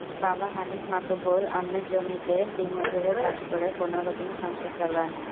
বাবা হানিফ মাতুব্বর অন্যের জমিতে দিনমজুরের কাজ করে কোনো রকমে সংসার চালান।